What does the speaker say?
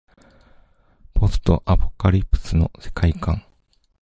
ポストアポカリプスの世界観